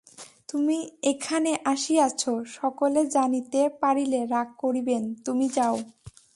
তুমি এখানে আসিয়াছ, সকলে জানিতে পারিলে রাগ করিবেন–তুমি যাও।